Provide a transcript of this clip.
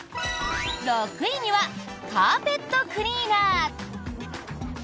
６位にはカーペットクリーナー。